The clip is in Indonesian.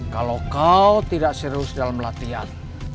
kalau kau tidak serius dalam latihan